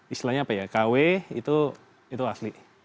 istilahnya apa ya kw itu asli